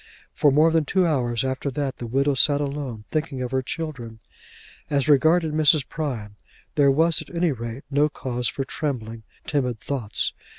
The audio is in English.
For more than two hours after that the widow sat alone, thinking of her children. As regarded Mrs. Prime, there was at any rate no cause for trembling, timid thoughts.